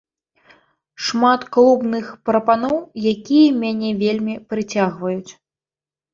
Шмат клубных прапаноў, якія мяне вельмі прыцягваюць.